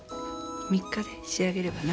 ３日で仕上げればな。